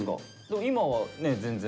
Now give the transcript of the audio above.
でも今はね全然。